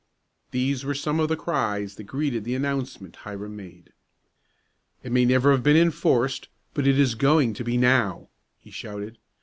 These were some of the cries that greeted the announcement Hiram made. "It may never have been enforced, but it's going to be now!" he shouted.